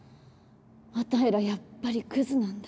あたいらやっぱりクズなんだ。